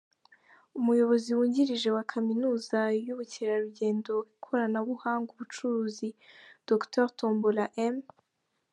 Umuyobozi wungirije wa Kaminuza y’Ubukerarugendo, Ikoranabuhanga n’Ubucuruzi, Dr Tombola M.